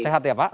sehat ya pak